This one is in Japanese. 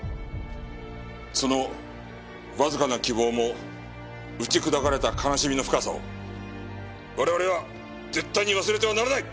そのわずかな希望も打ち砕かれた悲しみの深さを我々は絶対に忘れてはならない！